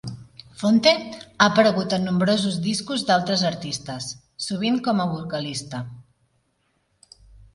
Phonte ha aparegut en nombrosos discos d'altres artistes, sovint com a vocalista.